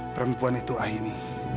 perempuan itu aini